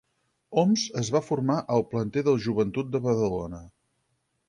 Oms es va formar al planter del Joventut de Badalona.